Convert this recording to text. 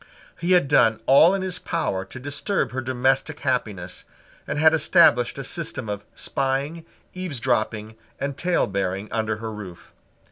He had done all in his power to disturb her domestic happiness, and had established a system of spying, eavesdropping, and talebearing under her roof.